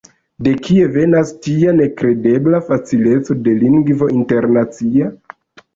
De kie venas tia nekredebla facileco de lingvo internacia?